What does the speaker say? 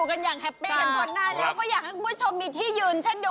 อันนี้จักรใจสุด